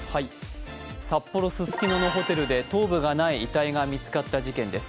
札幌・ススキノのホテルで頭部のない遺体が見つかった事件です。